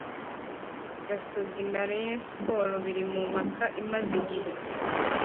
Gasogi na rayon sport biri mumpaka imaze igihe